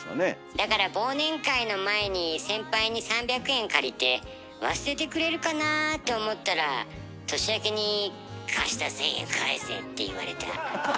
だから忘年会の前に先輩に３００円借りて忘れてくれるかなと思ったら年明けに「貸した１，０００円返せ」って言われた。